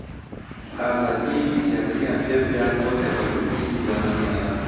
ئازادییەکی زیاتریان پێ بدات بۆ تێکەڵکردنێکی زانستییانە